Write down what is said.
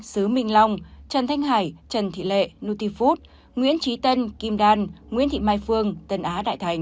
sứ minh long trần thanh hải trần thị lệ nutifood nguyễn trí tân kim đan nguyễn thị mai phương tân á đại thành